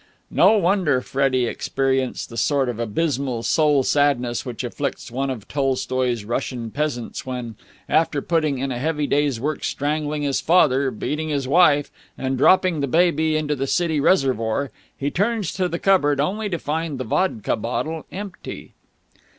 No wonder Freddie experienced the sort of abysmal soul sadness which afflicts one of Tolstoi's Russian peasants when, after putting in a heavy day's work strangling his father, beating his wife, and dropping the baby into the city reservoir, he turns to the cupboard, only to find the vodka bottle empty.